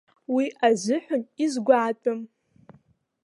Уи азыҳәан изгәаатәым.